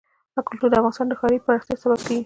کلتور د افغانستان د ښاري پراختیا سبب کېږي.